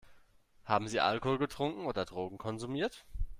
Haben Sie Alkohol getrunken oder Drogen konsumiert?